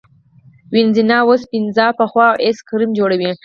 وینزیان اوس پیزا پخوي او ایس کریم جوړوي.